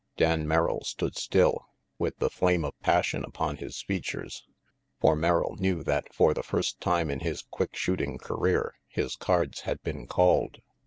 Dan Merrill stood still, with the flame of passion upon his features. For Merrill knew that for the first time in his quick shooting career his cards had been called.